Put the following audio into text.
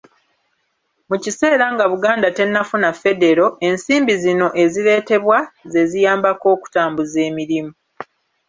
Mu kiseera nga Buganda tennafuna Federo, ensimbi zino ezireetebwa ze ziyambako okutambuza emirimu.